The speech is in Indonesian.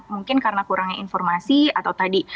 mungkin karena kurangnya informasi atau tadi